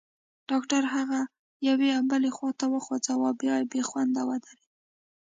ډاکټر هغه یوې او بلې خواته وخوځاوه، بیا بېخونده ودرېد.